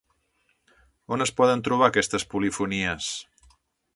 On es poden trobar aquestes polifonies?